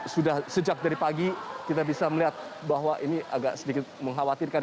sudah sejak dari pagi kita bisa melihat bahwa ini agak sedikit mengkhawatirkan